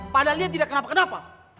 padahal dia tidak kenapa kenapa